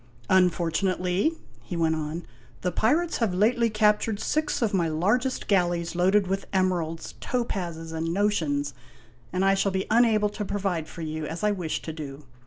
" Unfortunately," he went on, " the pirates have lately captured six of my largest galleys loaded with emeralds, topazes, and notions, and I shall be unable to provide for you as I wished to do.